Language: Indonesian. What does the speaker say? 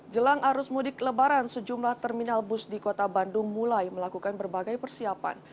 jelang arus mudik lebaran sejumlah terminal bus di kota bandung mulai melakukan berbagai persiapan